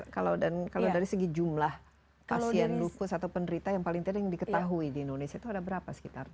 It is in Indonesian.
kalau dan kalau dari segi jumlah pasien lupus atau penderita yang paling tidak yang diketahui di indonesia itu ada berapa sekitar